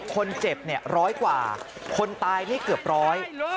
คนเจ็บเนี่ยร้อยกว่าคนตายนี่เกือบร้อย